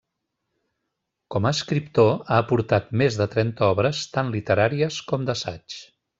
Com a escriptor ha aportat més de trenta obres tant literàries com d'assaig.